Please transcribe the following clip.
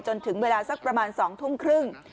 จนถึงเวลาสักประมาณ๒ทุ่มครึ่ง